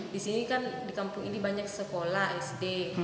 di sini kan di kampung ini banyak sekolah sd